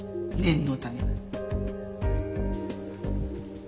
念のため。